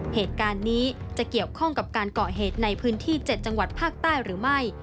เหตุการณ์นี้จะเกี่ยวข้องกับการเกาะเหตุในพื้นที่๗จังหวัดภาคใต้หรือไม่